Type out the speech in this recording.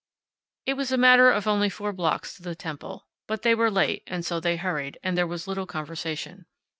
It was a matter of only four blocks to the temple. But they were late, and so they hurried, and there was little conversation.